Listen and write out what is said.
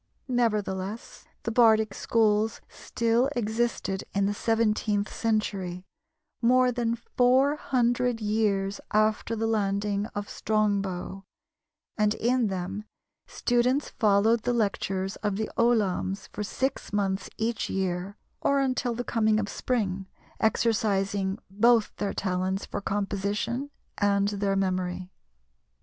Nevertheless, the bardic schools still existed in the seventeenth century, more than four hundred years after the landing of Strongbow, and, in them, students followed the lectures of the ollamhs for six months each year, or until the coming of spring, exercising both their talents for composition and their memory.